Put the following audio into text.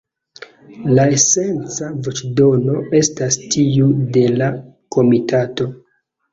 La esenca voĉdono estas tiu de la Komitato.